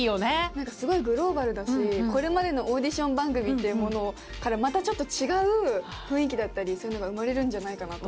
なんかすごいグローバルだしこれまでのオーディション番組っていうものからまたちょっと違う雰囲気だったりそういうのが生まれるんじゃないかなと思って。